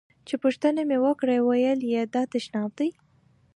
چې پوښتنه مې وکړه ویل یې دا تشناب دی.